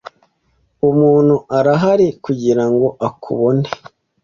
Umuntu arahari kugirango akubone, .